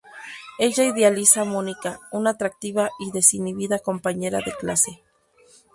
Ella idealiza Mónica, una atractiva y desinhibida compañera de clase.